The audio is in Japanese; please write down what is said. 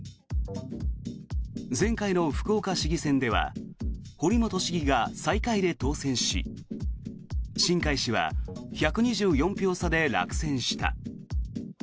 前回の福岡市議選では堀本市議が最下位で当選し新開氏は１２４票差で落選した。